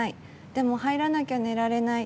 でも入らなきゃ寝られない。